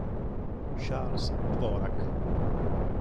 Charles Dvorak